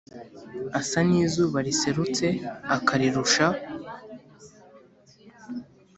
asa nizuba riserutse akarirusha